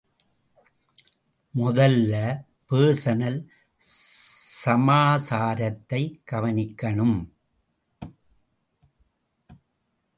மொதல்ல பெர்சனல் சமாசாரத்தைக் கவனிக்ணும்.